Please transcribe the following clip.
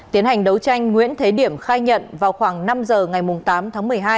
tiến hành đấu tranh nguyễn thế điểm khai nhận vào khoảng năm giờ ngày tám tháng một mươi hai